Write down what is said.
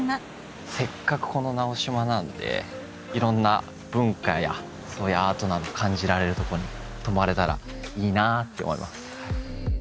せっかくこの直島なんでいろんな文化やアートなど感じられるとこに泊まれたらいいなーって思います。